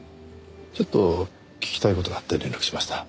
ちょっと聞きたい事があって連絡しました。